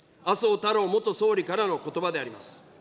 太郎元総理からのことばであります。